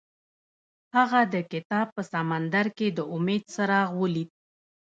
هغه د کتاب په سمندر کې د امید څراغ ولید.